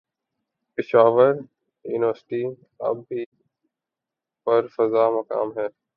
Peshawar university اب بھی پرفضامقام ہے